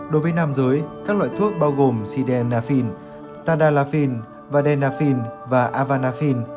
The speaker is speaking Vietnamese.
đối với nam giới các loại thuốc bao gồm sidenafin tadalafin vadenafin và avanafin